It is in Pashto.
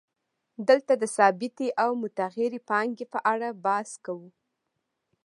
دلته د ثابتې او متغیرې پانګې په اړه بحث کوو